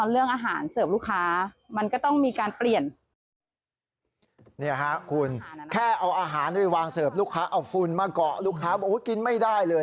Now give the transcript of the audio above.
เอาฝุ่นมาเกาะลูกค้าบอกโอ้โหกินไม่ได้เลย